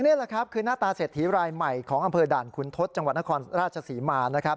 นี่แหละครับคือหน้าตาเศรษฐีรายใหม่ของอำเภอด่านคุณทศจังหวัดนครราชศรีมานะครับ